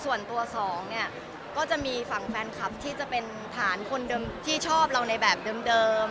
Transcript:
ส่วนตัวสองเนี่ยก็จะมีฝั่งแฟนคลับที่จะเป็นฐานคนเดิมที่ชอบเราในแบบเดิม